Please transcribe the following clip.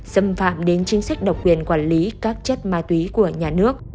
xâm phạm đến chính sách độc quyền quản lý các chất ma túy của nhà nước